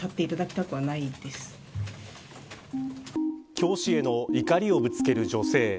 教師への怒りをぶつける女性。